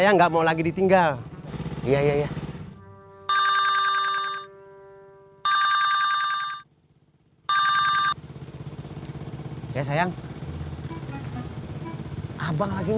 nggak mau lagi ditinggalin pak sopyan lagi